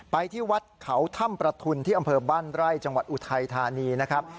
ที่วัดเขาถ้ำประทุนที่อำเภอบ้านไร่จังหวัดอุทัยธานีนะครับ